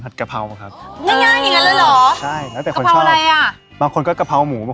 ค่ะกะเพราไข่ดาวเมนูสุดท้ายแหละอะไรดี